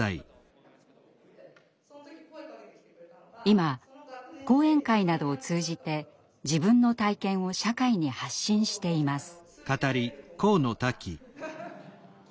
今講演会などを通じて自分の体験を社会に発信しています。